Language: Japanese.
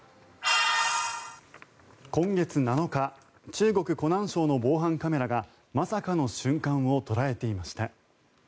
今月７日、中国・湖南省の防犯カメラがまさかの瞬間を捉えていました。